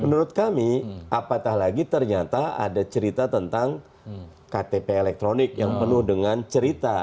menurut kami apatah lagi ternyata ada cerita tentang ktp elektronik yang penuh dengan cerita